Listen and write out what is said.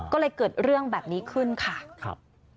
ก็เลยเกิดเรื่องแบบนี้ขึ้นค่ะครับ